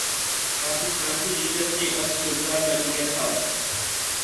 پاکستان کی شکست نے افسردہ کردیا تھا